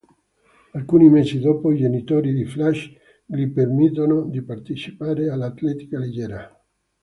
Alcuni mesi dopo, i genitori di Flash gli permettono di partecipare all’atletica leggera.